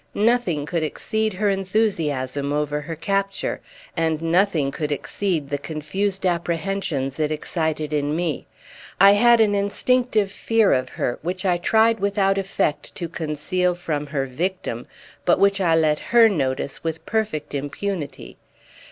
Nothing could exceed her enthusiasm over her capture, and nothing could exceed the confused apprehensions it excited in me. I had an instinctive fear of her which I tried without effect to conceal from her victim, but which I let her notice with perfect impunity.